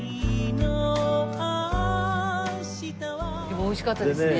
でも美味しかったですね。